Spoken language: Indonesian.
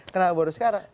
kenapa baru sekarang